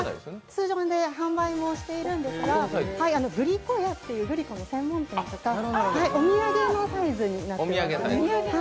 通常で販売もしているんですがグリコの専門店とか、お土産のサイズになっています。